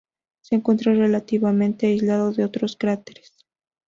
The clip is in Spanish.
Se encuentra relativamente aislado de otros cráteres.